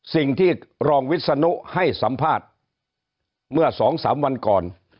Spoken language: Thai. สิ่งที่รองวิศนุให้สัมภาษณ์เมื่อสองสามวันก่อน